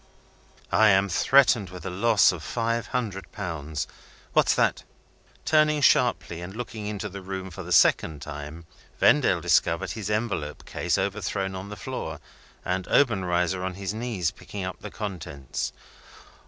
I am threatened with a loss of five hundred pounds. What's that?" Turning sharply, and looking into the room for the second time, Vendale discovered his envelope case overthrown on the floor, and Obenreizer on his knees picking up the contents.